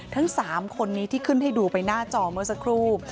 ทั้ง๓คนนี้ที่ขึ้นให้ดูไปหน้าจอเมื่อสักครู่